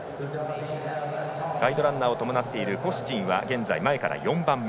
ガイドランナーを伴っているコスチンは現在前から４番目。